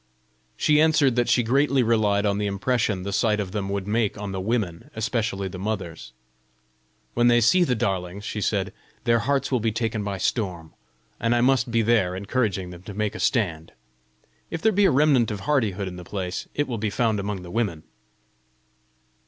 She answered that she greatly relied on the impression the sight of them would make on the women, especially the mothers. "When they see the darlings," she said, "their hearts will be taken by storm; and I must be there encouraging them to make a stand! If there be a remnant of hardihood in the place, it will be found among the women!"